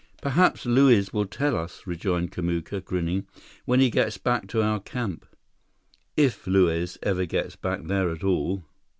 "Perhaps Luiz will tell us," rejoined Kamuka, grinning, "when he gets back to our camp." "If Luiz ever gets back there at all!"